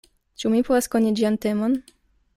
Ĉu mi povas koni ĝian temon?